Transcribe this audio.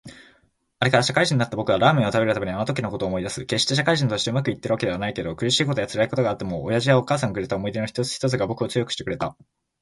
あれから、社会人になった僕はラーメンを食べるたびにあのときのことを思い出す。決して社会人として上手くいっているわけではないけど、苦しいことや辛いことがあっても親父やお母さんがくれた思い出の一つ一つが僕を強くしてくれた。